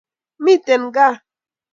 miten gaa